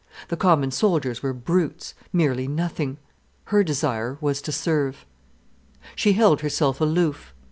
The common soldiers were brutes, merely nothing. Her desire was to serve. She held herself aloof.